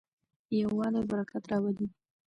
یووالی برکت راوړي.